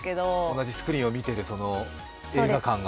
同じスクリーンを見ている映画館が？